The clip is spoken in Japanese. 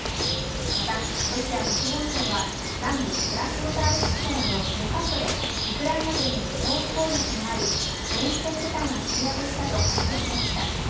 また、ロシア国防省は、南部クラスノダール地方など２か所でウクライナ軍のドローン攻撃があり、電子戦部隊が制圧したと発表しました。